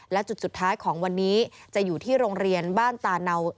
และจุดสุดท้ายของวันนี้จะอยู่ที่โรงเรียนบ้านตาเนา